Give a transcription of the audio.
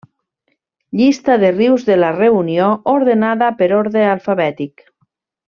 Llista de rius de La Reunió, ordenada per ordre alfabètic.